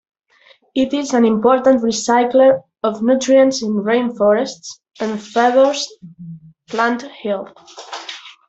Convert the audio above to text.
It is an important recycler of nutrients in rainforests, and favours plant health.